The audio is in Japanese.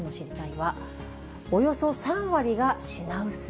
は、およそ３割が品薄。